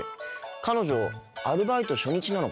彼女アルバイト初日なのかな。